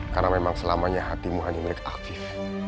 karena memang selamanya hatimu hanya milik afif